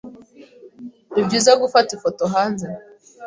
Nibyiza gufata ifoto hanze.